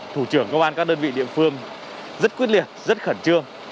thủ trưởng công an các đơn vị địa phương rất quyết liệt rất khẩn trương